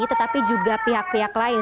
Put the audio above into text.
tetapi juga pihak pihak lain